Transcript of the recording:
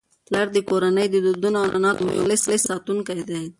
پلار د کورنی د دودونو او عنعناتو یو مخلص ساتونکی دی.